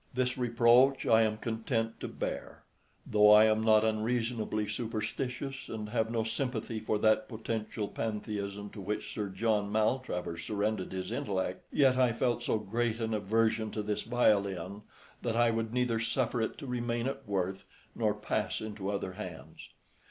This reproach I am content to bear. Though I am not unreasonably superstitious, and have no sympathy for that potential pantheism to which Sir John Maltravers surrendered his intellect, yet I felt so great an aversion to this violin that I would neither suffer it to remain at Worth, nor pass into other hands.